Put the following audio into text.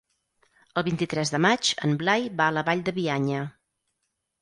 El vint-i-tres de maig en Blai va a la Vall de Bianya.